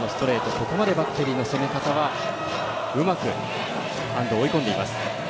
ここまでバッテリーの攻め方はうまく安藤を追い込んでいます。